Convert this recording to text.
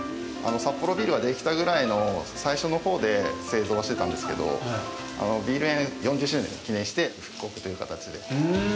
サッポロビールができたぐらいの最初のほうで製造してたんですけどビール園、４０周年を記念して復刻という形で。